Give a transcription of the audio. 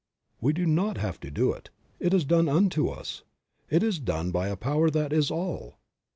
We do not have to do it, it is done unto us, it is done by a power that is all.